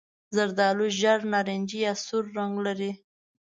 زردالو ژېړ نارنجي یا سور رنګ لري.